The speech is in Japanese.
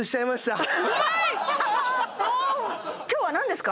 今日はなんですか？